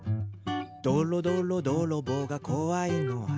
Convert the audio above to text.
「どろどろどろぼうがこわいのは？」